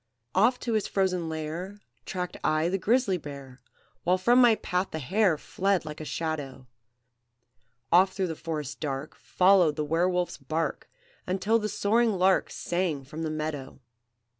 "Oft to his frozen lair Tracked I the grizzly bear, While from my path the hare Fled like a shadow; Oft through the forest dark Followed the were wolf's bark, Until the soaring lark Sang from the meadow.